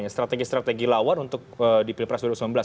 strategi strategi lawan untuk di pilpres dua ribu sembilan belas